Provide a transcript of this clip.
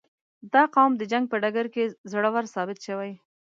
• دا قوم د جنګ په ډګر کې زړور ثابت شوی.